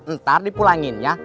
ntar dipulanginnya dua empat ratus